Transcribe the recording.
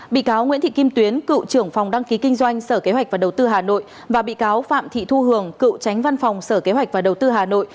bị cáo nguyễn thị kim tuyến cựu trưởng phòng đăng ký kinh doanh sở kế hoạch và đầu tư hà nội và bị cáo phạm thị thu hường cựu tránh văn phòng sở kế hoạch và đầu tư hà nội